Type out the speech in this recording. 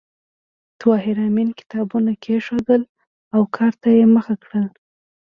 طاهر آمین کتابونه کېښودل او کار ته یې مخه کړه